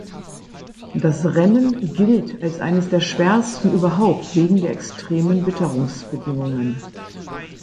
Das Rennen gilt als eines der schwersten überhaupt wegen der extremen Witterungsbedingungen.